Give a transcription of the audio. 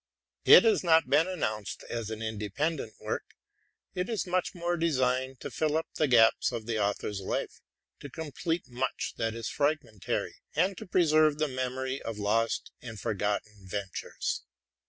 It has not been announced as an independent work: it is much more designed to fill up the gaps of an author's life, to complete much that is fragmen tary. and to preserve the memory of lost and forgotten ven tures.